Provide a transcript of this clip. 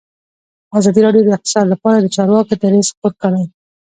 ازادي راډیو د اقتصاد لپاره د چارواکو دریځ خپور کړی.